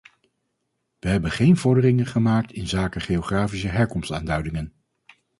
We hebben geen vorderingen gemaakt inzake geografische herkomstaanduidingen.